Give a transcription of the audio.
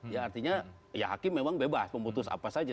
ya artinya ya hakim memang bebas memutus apa saja